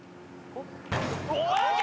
ＯＫ！